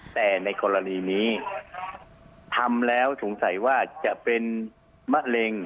แต่ในกรณีนี้ทำแล้วสงสัยว่าจะเป็นมะเร็ง